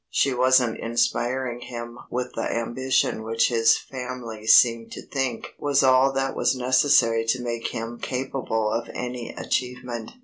She wasn't inspiring him with the ambition which his family seemed to think was all that was necessary to make him capable of any achievement.